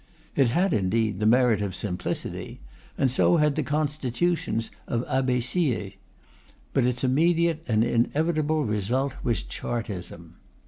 It had, indeed, the merit of simplicity, and so had the constitutions of Abbé Siéyès. But its immediate and inevitable result was Chartism.